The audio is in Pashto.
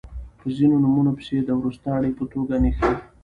په ځینو نومونو پسې د وروستاړي په توګه نښلی